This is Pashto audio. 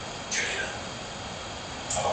نه مي د دار له سره واورېدې د حق سندري